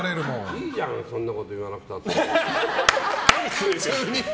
いいじゃん、そんなこと言わなくたって。